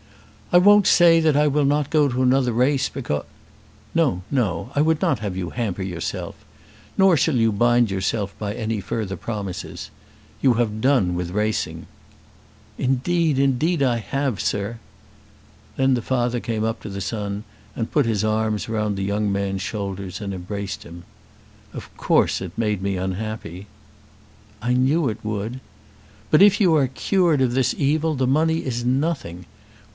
"I won't say I will not go to another race, because " "No; no. I would not have you hamper yourself. Nor shall you bind yourself by any further promises. You have done with racing." "Indeed, indeed I have, sir." Then the father came up to the son and put his arms round the young man's shoulders and embraced him. "Of course it made me unhappy." "I knew it would." "But if you are cured of this evil, the money is nothing.